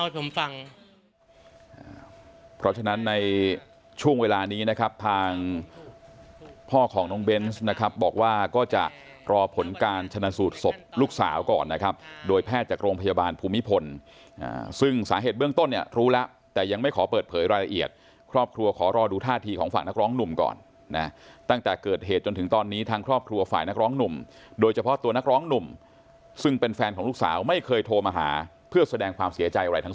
ดังนั้นในช่วงเวลานี้นะครับทางพ่อของน้องเบนส์นะครับบอกว่าก็จะรอผลการชนัดสูตรศพลูกสาวก่อนนะครับโดยแพทย์จากโรงพยาบาลภูมิพลซึ่งสาเหตุเบื้องต้นเนี่ยรู้แล้วแต่ยังไม่ขอเปิดเผยรายละเอียดครอบครัวขอรอดูท่าที่ของฝั่งนักร้องหนุ่มก่อนนะตั้งแต่เกิดเหตุจนถึงตอนนี้ทางครอบครัวฝ่าย